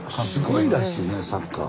すごいらしいねサッカー。